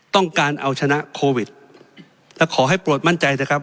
ต้องการเอาชนะโควิดและขอให้โปรดมั่นใจนะครับ